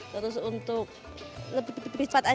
terus untuk lebih cepat aja lebih cepat laku